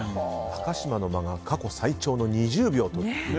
高嶋の間が過去最長の２０秒と。